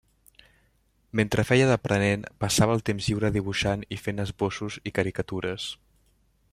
Mentre feia d'aprenent, passava el temps lliure dibuixant i fent esbossos i caricatures.